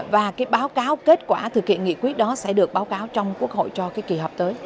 và cái báo cáo kết quả thực hiện nghị quyết đó sẽ được báo cáo trong quốc hội cho cái kỳ họp tới